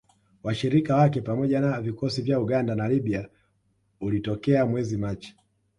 Washirika wake pamoja na vikosi vya Uganda na Libya ulitokea mwezi Machi